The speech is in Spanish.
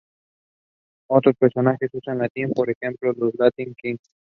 Otros prefieren usar "Latin", por ejemplo, los Latin Kings.